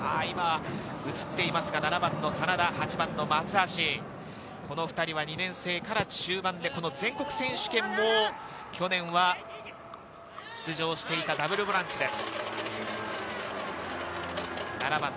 ７番の真田、８番の松橋、この２人は２年生から中盤で全国選手権も去年、出場していたダブルボランチです。